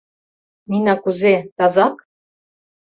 Нина кузе, тазак?